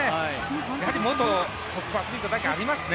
やはり元トップアスリートだけありますね。